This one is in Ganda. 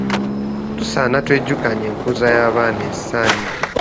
Tusaana twejjukanye enkuza y'abaana esaanidde.